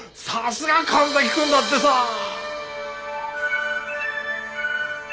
さすが神崎君だってさ。